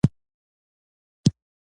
علوم ټول يو وو.